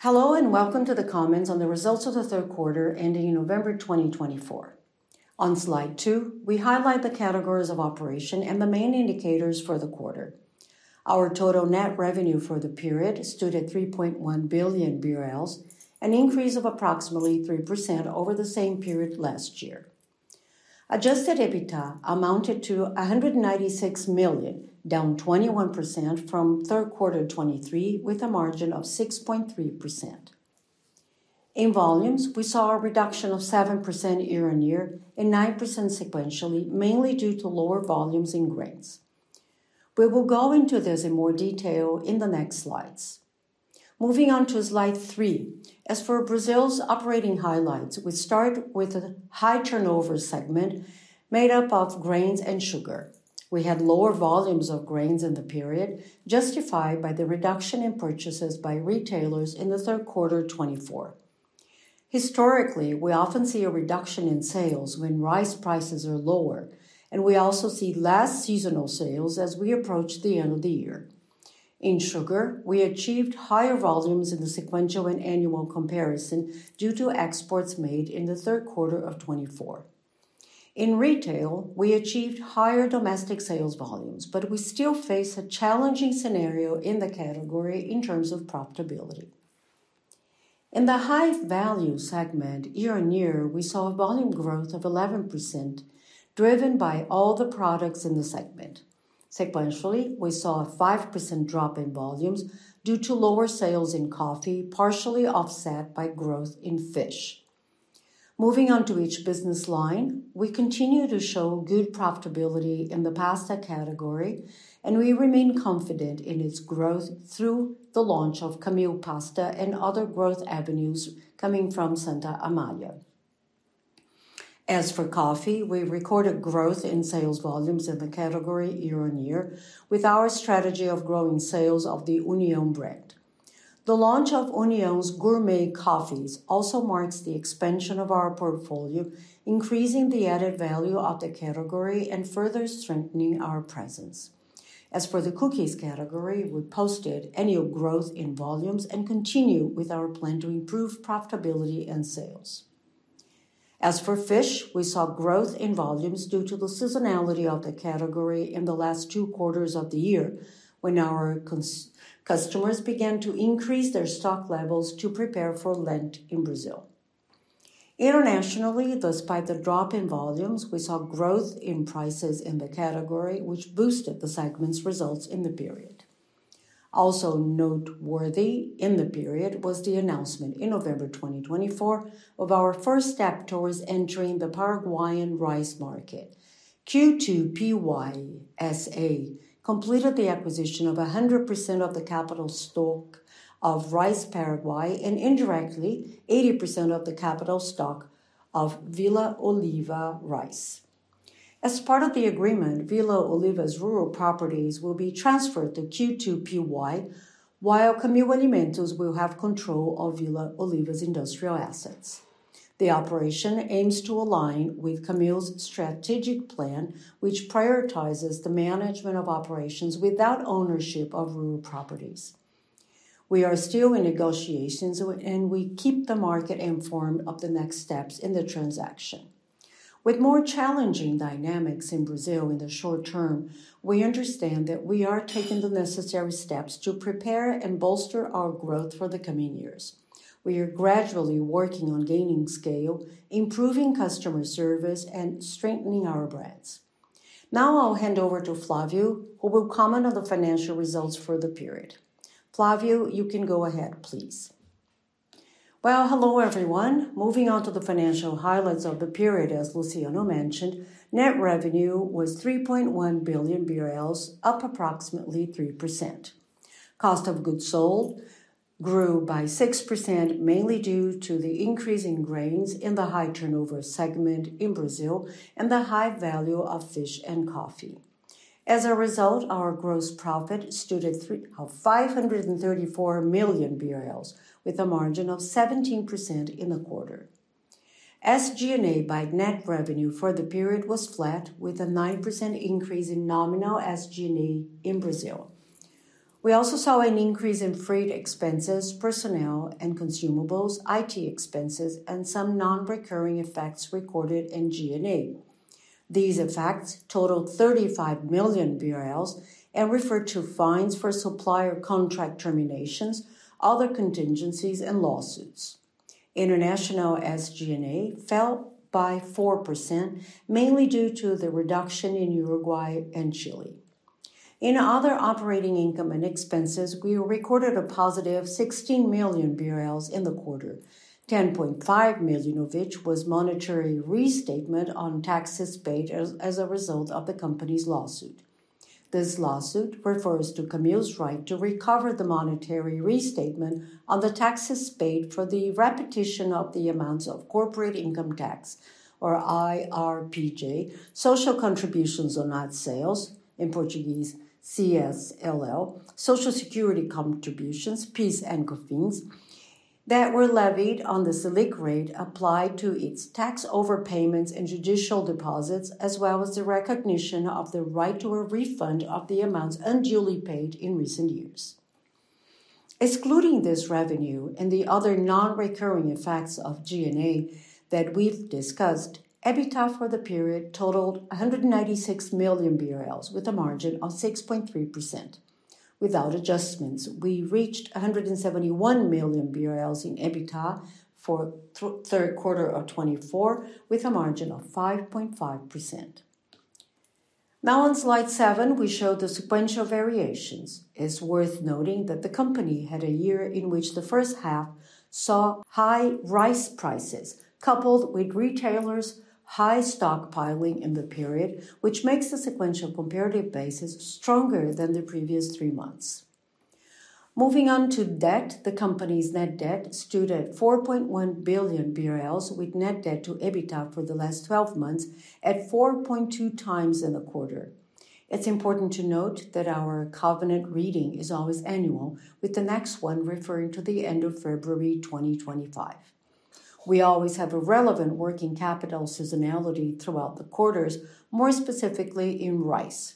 Hello and welcome to the comments on the results of the third quarter ending in November 2024. On slide two, we highlight the categories of operation and the main indicators for the quarter. Our total net revenue for the period stood at 3.1 billion BRL, an increase of approximately 3% over the same period last year. Adjusted EBITDA amounted to 196 million, down 21% from third quarter 2023, with a margin of 6.3%. In volumes, we saw a reduction of 7% year-on-year and 9% sequentially, mainly due to lower volumes in grains. We will go into this in more detail in the next slides. Moving on to slide three, as for Brazil's operating highlights, we start with a high turnover segment made up of grains and sugar. We had lower volumes of grains in the period, justified by the reduction in purchases by retailers in the third quarter 2024. Historically, we often see a reduction in sales when rice prices are lower, and we also see less seasonal sales as we approach the end of the year. In sugar, we achieved higher volumes in the sequential and annual comparison due to exports made in the third quarter of 2024. In retail, we achieved higher domestic sales volumes, but we still face a challenging scenario in the category in terms of profitability. In the high-value segment, year-on-year, we saw a volume growth of 11%, driven by all the products in the segment. Sequentially, we saw a 5% drop in volumes due to lower sales in coffee, partially offset by growth in fish. Moving on to each business line, we continue to show good profitability in the pasta category, and we remain confident in its growth through the launch of Camil Pasta and other growth avenues coming from Santa Amália. As for coffee, we recorded growth in sales volumes in the category year-on-year with our strategy of growing sales of the União brand. The launch of União's gourmet coffees also marks the expansion of our portfolio, increasing the added value of the category and further strengthening our presence. As for the cookies category, we posted annual growth in volumes and continue with our plan to improve profitability and sales. As for fish, we saw growth in volumes due to the seasonality of the category in the last two quarters of the year, when our customers began to increase their stock levels to prepare for Lent in Brazil. Internationally, despite the drop in volumes, we saw growth in prices in the category, which boosted the segment's results in the period. Also noteworthy in the period was the announcement in November 2024 of our first step towards entering the Paraguayan rice market. Q2PY S.A. completed the acquisition of 100% of the capital stock of Rice Paraguay and indirectly 80% of the capital stock of Villa Oliva Rice. As part of the agreement, Villa Oliva's rural properties will be transferred to Q2PY, while Camil Alimentos will have control of Villa Oliva's industrial assets. The operation aims to align with Camil's strategic plan, which prioritizes the management of operations without ownership of rural properties. We are still in negotiations, and we keep the market informed of the next steps in the transaction. With more challenging dynamics in Brazil in the short term, we understand that we are taking the necessary steps to prepare and bolster our growth for the coming years. We are gradually working on gaining scale, improving customer service, and strengthening our brands. Now I'll hand over to Flávio, who will comment on the financial results for the period. Flávio, you can go ahead, please. Hello everyone. Moving on to the financial highlights of the period, as Luciano mentioned, net revenue was 3.1 billion BRL, up approximately 3%. Cost of goods sold grew by 6%, mainly due to the increase in grains in the high turnover segment in Brazil and the high value of fish and coffee. As a result, our gross profit stood at 534 million BRL, with a margin of 17% in the quarter. SG&A by net revenue for the period was flat, with a 9% increase in nominal SG&A in Brazil. We also saw an increase in freight expenses, personnel and consumables, IT expenses, and some non-recurring effects recorded in G&A. These effects totaled 35 million BRL and referred to fines for supplier contract terminations, other contingencies, and lawsuits. International SG&A fell by 4%, mainly due to the reduction in Uruguay and Chile. In other operating income and expenses, we recorded a positive 16 million BRL in the quarter, 10.5 million of which was monetary restatement on taxes paid as a result of the company's lawsuit. This lawsuit refers to Camil's right to recover the monetary restatement on the taxes paid for the repetition of the amounts of corporate income tax, or IRPJ, social contributions on net sales, in Portuguese, CSLL, social security contributions, PIS and COFINS, that were levied on the Selic rate applied to its tax overpayments and judicial deposits, as well as the recognition of the right to a refund of the amounts unduly paid in recent years. Excluding this revenue and the other non-recurring effects of G&A that we've discussed, EBITDA for the period totaled 196 million BRL, with a margin of 6.3%. Without adjustments, we reached 171 million BRL in EBITDA for third quarter of 2024, with a margin of 5.5%. Now on slide seven, we show the sequential variations. It's worth noting that the company had a year in which the first half saw high rice prices coupled with retailers' high stockpiling in the period, which makes the sequential comparative basis stronger than the previous three months. Moving on to debt, the company's net debt stood at 4.1 billion BRL, with net debt to EBITDA for the last 12 months at 4.2 times in the quarter. It's important to note that our covenant reading is always annual, with the next one referring to the end of February 2025. We always have a relevant working capital seasonality throughout the quarters, more specifically in rice.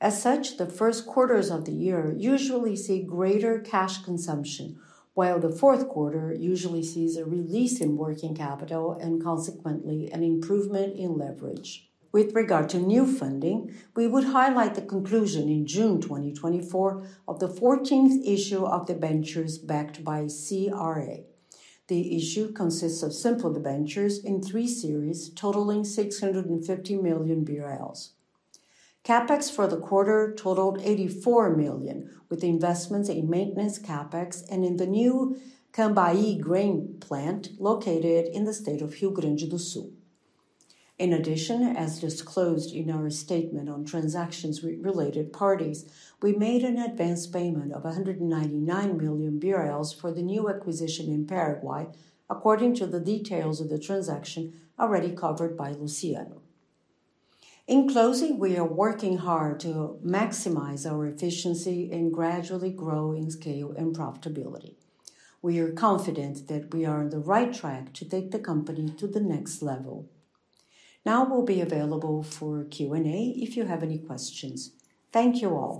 As such, the first quarters of the year usually see greater cash consumption, while the fourth quarter usually sees a release in working capital and consequently an improvement in leverage. With regard to new funding, we would highlight the conclusion in June 2024 of the 14th issue of the debentures backed by CRA. The issue consists of simple debentures in three series, totaling 650 million BRL. CapEx for the quarter totaled 84 million, with investments in maintenance CapEx and in the new Cambaí grain plant located in the state of Rio Grande do Sul. In addition, as disclosed in our statement on transactions with related parties, we made an advance payment of 199 million BRL for the new acquisition in Paraguay, according to the details of the transaction already covered by Luciano. In closing, we are working hard to maximize our efficiency and gradually grow in scale and profitability. We are confident that we are on the right track to take the company to the next level. Now we'll be available for Q&A if you have any questions. Thank you all.